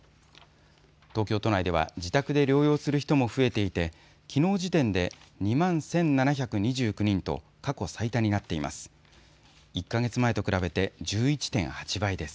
東京都内では自宅で療養する人も増えていてきのう時点で２万１７２９人と過去最多になっています。